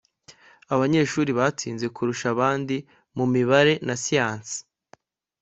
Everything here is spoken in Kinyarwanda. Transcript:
abanyeshuri batsinze kurusha abandi mu mibare na siyansi